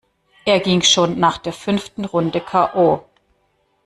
Er ging schon nach der fünften Runde k. o..